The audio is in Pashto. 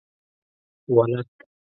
ولد؟